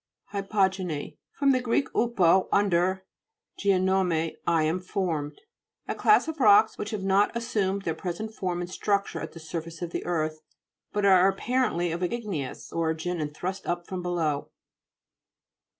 HY'POGESTE fr. gr. upo, under, gei nomai, I am formed. A class of rocks which have not assumed their present form and structure at the surface of the earth, but are appar ently of igneous origin and thrust up from below.